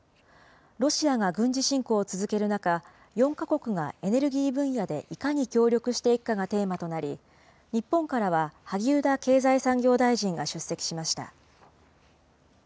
ロシアが軍事侵攻を続ける中、４か国がエネルギー分野でいかに協力していくかがテーマとなり、日本からは萩生田経済産業大臣が出席しました。